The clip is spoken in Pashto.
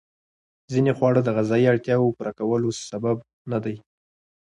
ځینې خواړه د غذایي اړتیاوو پوره کولو سبب ندي.